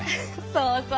そうそう。